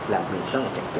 làm việc rất là chặt chẽ